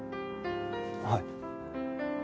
はい。